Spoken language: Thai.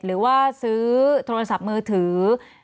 หรือว่าซื้อโทรศัพท์มือถือ